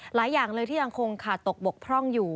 หลายอย่างเลยที่ยังคงขาดตกบกพร่องอยู่